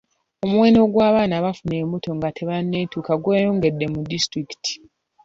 Omwendo gw'abaana abafuna embuto nga tebanneetuka gweyongedde mu disitulikiti.